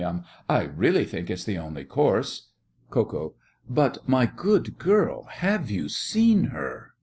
I really think it's the only course. KO. But, my good girl, have you seen her?